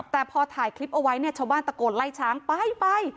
แต่พอถ่ายคลิปเอาไว้เนี่ยชาวบ้านตะโกนไล่ช้างไปไป